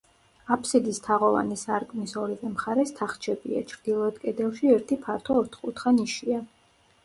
აფსიდის თაღოვანი სარკმლის ორივე მხარეს თახჩებია, ჩრდილოეთ კედელში ერთი ფართო ოთხკუთხა ნიშია.